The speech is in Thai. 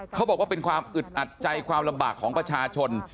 เขาบอกว่าเป็นความอึดอัดใจความลำบากของประชาชน